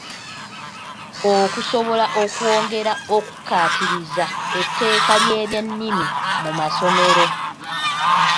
Okusobola okwongera okukkatiriza etteeka ly'ebyennimi mu masomero.